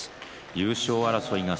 優勝争い